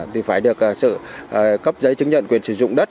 thì phải được sự cấp giấy chứng nhận quyền sử dụng đất